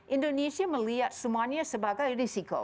indonesia melihat semuanya sebagai risiko